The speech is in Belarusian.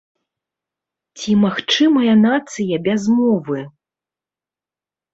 Ці магчымая нацыя без мовы?